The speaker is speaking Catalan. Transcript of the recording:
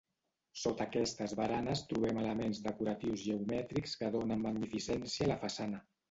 Sota aquestes baranes trobem elements decoratius geomètrics que donen magnificència a la façana.